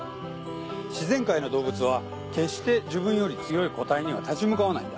自然界の動物は決して自分より強い個体には立ち向かわないんだ。